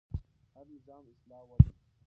هر نظام د اصلاح وړ وي